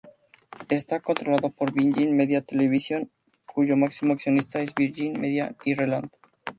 Está controlado por "Virgin Media Television", cuyo máximo accionista es Virgin Media Ireland.